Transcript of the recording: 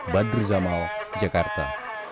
badru zamal jakarta